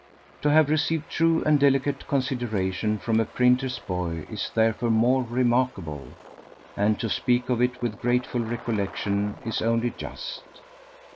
To have received true and delicate consideration from a printer's boy is therefore more remarkable, and to speak of it with grateful recollection is only just.